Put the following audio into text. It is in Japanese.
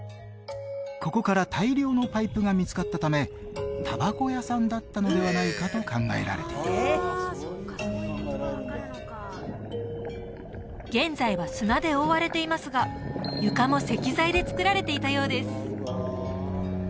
ここから大量のパイプが見つかったためタバコ屋さんだったのではないかと考えられている現在は砂で覆われていますが床も石材でつくられていたようです